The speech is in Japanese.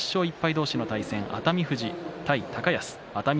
同士の対戦熱海富士対高安熱海